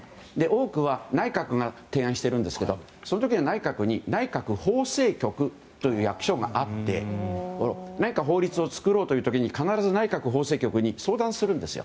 多くは内閣が提案してるんですけどその時は、内閣に内閣法制局という役所があって何か法律を作ろうという時に必ず内閣法制局に相談するんです。